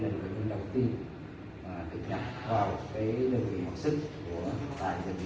thì tình trạng bệnh nhân sau khi nhập vào tại dân viên phổi của đà nẵng đó cũng là bệnh nhân đã ngừng được cái cơ sở hậu sức